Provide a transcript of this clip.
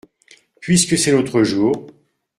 Puisque c’est notre jour !